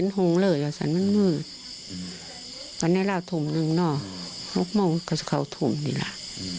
วันนี้เราถุงหนึ่งเนอะลูกมองก็จะเขาถุงนี่แหละ